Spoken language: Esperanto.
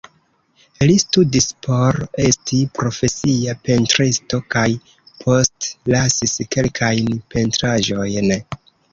Li studis por esti profesia pentristo kaj postlasis kelkajn pentraĵojn.